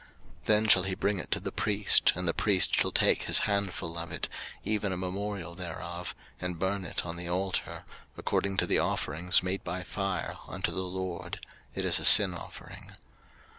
03:005:012 Then shall he bring it to the priest, and the priest shall take his handful of it, even a memorial thereof, and burn it on the altar, according to the offerings made by fire unto the LORD: it is a sin offering.